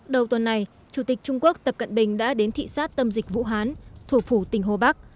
đầu tuần này chủ tịch trung quốc tập cận bình đã đến thị xát tâm dịch vũ hán thủ phủ tỉnh hồ bắc